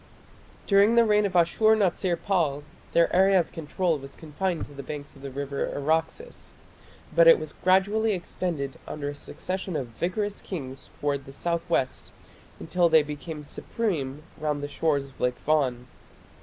During the reign of Ashur natsir pal their area of control was confined to the banks of the river Araxes, but it was gradually extended under a succession of vigorous kings towards the south west until they became supreme round the shores of Lake Van.